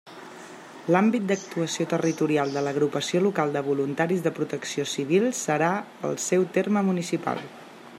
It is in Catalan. L'àmbit d'actuació territorial de l'Agrupació Local de Voluntaris de Protecció Civil serà el seu terme municipal.